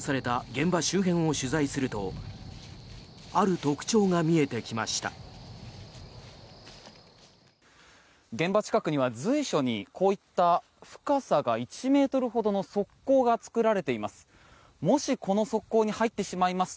現場近くには随所にこういった深さが１ｍほどの側溝が作られています。